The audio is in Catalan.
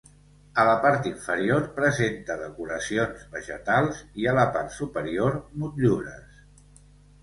A la part inferior presenta decoracions vegetals i a la part superior, motllures.